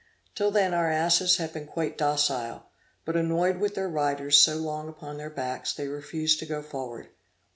Till then our asses had been quite docile; but, annoyed with their riders so long upon their backs, they refused to go forward.